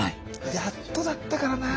やっとだったからなぁ。